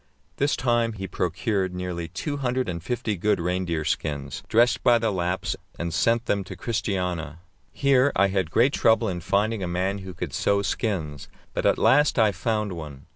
This time he procured nearly two hundred and fifty good reindeer skins, dressed by the Lapps, and sent them to Christiania. Here I had great trouble in finding a man who could sew skins, but at last I found one.